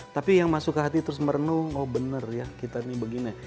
tapi yang masuk ke hati terus merenung oh bener ya kita ini begini